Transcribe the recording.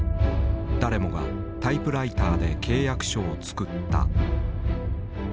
誰もがタイプライターで契約書を作った。